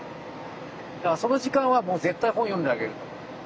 だからその時間はもう絶対本読んであげる。